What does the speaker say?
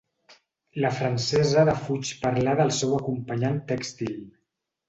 La francesa defuig parlar del seu acompanyant tèxtil.